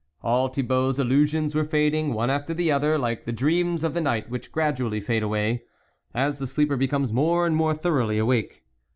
All Thibault's illusions were fading one after the other, like the dreams of the night which gradually fade away, as the sleeper becomes more and more thoroughly awake.